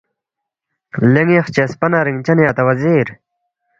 لے ن٘ی خچسپا نہ رِنگچنی اتا وزیر،